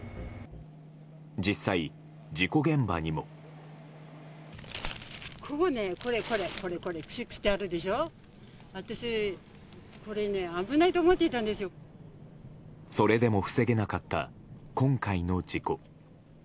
実際、事故現場にも。それでも防げなかった今回の事故。